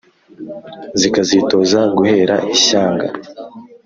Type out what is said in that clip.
zikazitoza guhera ishyanga